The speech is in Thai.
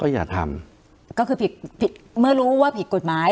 อย่าทำ